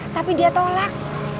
tapi dia tolak